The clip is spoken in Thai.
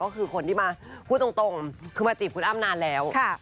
ก็คือคนที่มาพูดตรงคือมาจีบคุณอ้ำนานแล้ว